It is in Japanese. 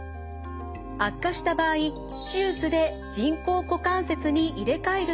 悪化した場合手術で人工股関節に入れ換えるケースも出てきます。